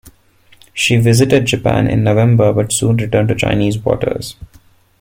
She visited Japan in November but soon returned to Chinese waters.